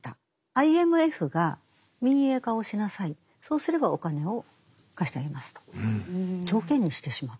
ＩＭＦが民営化をしなさいそうすればお金を貸してあげますと条件にしてしまった。